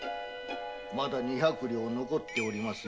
まだ二百両残っておりますよ。